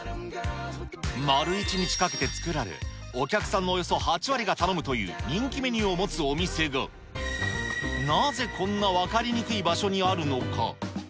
丸１日かけて作られ、お客さんのおよそ８割が頼むという人気メニューを持つお店が、なぜこんな分かりにくい場所にあるのか。